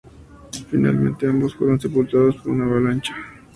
Finalmente, ambos fueron sepultados por una avalancha.